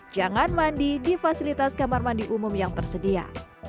jangan mandi di fasilitas kamar mandi umum yang tersedia